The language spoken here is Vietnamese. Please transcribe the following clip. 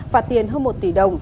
và tiền hơn một tỷ đồng